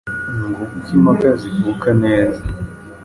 Nguko uko impaka zivuka neza.